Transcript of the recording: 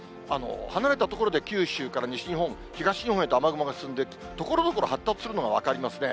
離れた所で、九州から西日本、東日本へと雨雲が進んでいく、ところどころ発達するのが分かりますね。